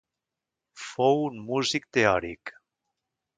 Fou un músic teòric.